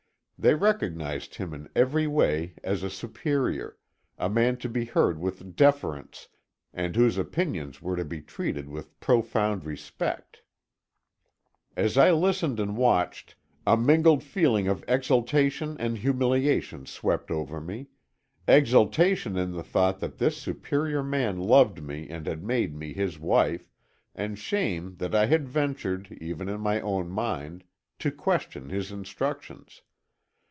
They recognized him in every way as a superior, a man to be heard with deference, and whose opinions were to be treated with profound respect. As I listened and watched, a mingled feeling of exaltation and humiliation swept over me; exaltation in the thought that this superior man loved me and had made me his wife, and shame that I had ventured, even in my own mind, to question his instructions.